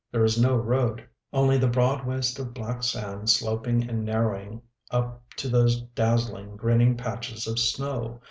There is no road, only the broad waste of black sand sloping and narrowing up to those dazzling, grinning patches of snow.